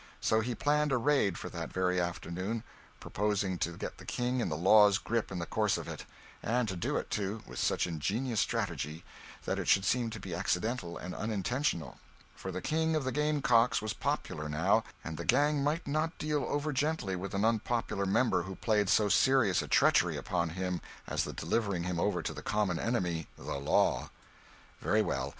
So he planned a raid for that very afternoon, purposing to get the King in the law's grip in the course of it; and to do it, too, with such ingenious strategy, that it should seem to be accidental and unintentional; for the King of the Game Cocks was popular now, and the gang might not deal over gently with an unpopular member who played so serious a treachery upon him as the delivering him over to the common enemy, the law. Very well.